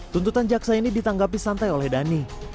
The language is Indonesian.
tuntutan jaksa ini ditanggapi santai oleh dhani